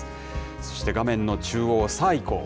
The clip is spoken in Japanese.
そして画面の中央、さぁいこう！